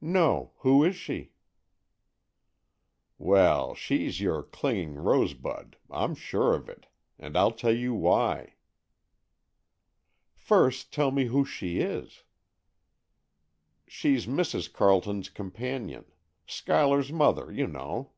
"No; who is she?" "Well, she's your 'clinging rosebud,' I'm sure of it! And I'll tell you why." "First tell me who she is." "She's Mrs. Carleton's companion. Schuyler's mother, you know.